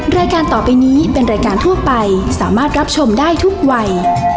รายการต่อไปนี้เป็นรายการทั่วไปสามารถรับชมได้ทุกวัย